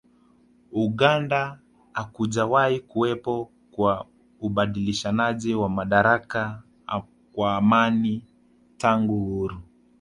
Uganda hakujawahi kuwepo na ubadilishanaji madaraka wa amani tangu uhuru